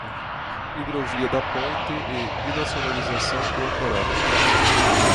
Hidrovia da ponte e binacionalização do ancorado